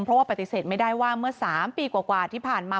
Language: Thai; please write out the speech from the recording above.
เพราะว่าปฏิเสธไม่ได้ว่าเมื่อ๓ปีกว่าที่ผ่านมา